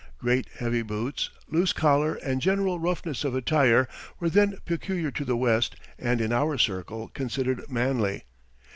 Great heavy boots, loose collar, and general roughness of attire were then peculiar to the West and in our circle considered manly.